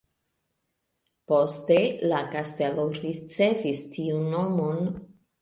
Poste la kastelo ricevis tiun nomon.